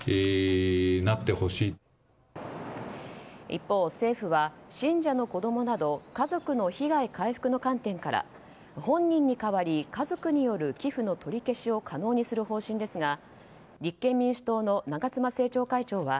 一方、政府は信者の子供など家族の被害回復の観点から本人に代わり家族による寄付の取り消しを可能にする方針ですが立憲民主党の長妻政調会長は